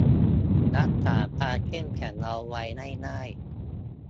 รักษาความเข้มแข็งเอาไว้ให้ได้